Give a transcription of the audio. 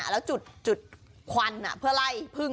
แล้วจุดควันเพื่อไล่พึ่ง